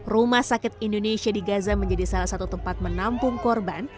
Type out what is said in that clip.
rumah sakit indonesia di gaza menjadi salah satu tempat menampung korban